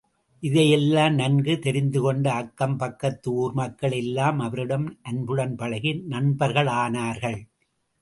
இதையெல்லாம் நன்கு தெரிந்து கொண்ட அக்கம் பக்கத்து ஊர் மக்கள் எல்லாம் அவரிடம் அன்புடன் பழகி நண்பர்களானார்கள்.